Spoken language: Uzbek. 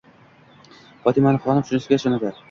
Fotimaxonim shunisiga ishonadi.